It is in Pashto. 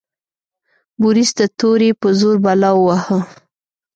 بوریس د تورې په زور بلا وواهه.